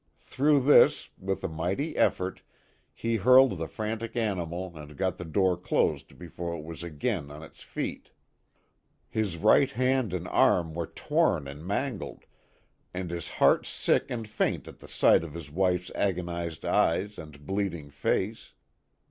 Through this, with a mighty effort, he hurled the frantic animal and got the door closed before it was again on ijs feet. His right hand and arm were torn and man gled, and his heart sick and faint at the sight of his wife's agonized eyes and bleeding face.